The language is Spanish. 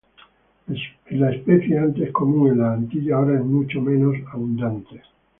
La especie, antes común en las Antillas, ahora es mucho menos abundante.